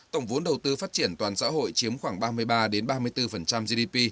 tổng vốn đầu tư phát triển toàn xã hội chiếm khoảng ba mươi ba ba mươi bốn gdp